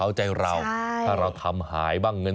ว่าใครมาทำตังค์ตั้งเยอะตกอยู่ตรงนี้ค่ะ